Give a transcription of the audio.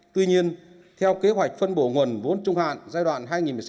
tuy nhiên theo kế hoạch phân bổ nguồn vốn trung hạn giai đoạn hai nghìn một mươi sáu hai nghìn hai mươi